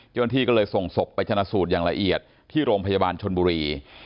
เจ้าหน้าที่ก็เลยส่งศพไปชนะสูตรอย่างละเอียดที่โรงพยาบาลชนบุรี